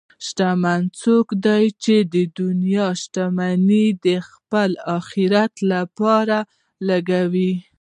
شتمن څوک دی چې د دنیا شتمني د خپل آخرت لپاره لګوي.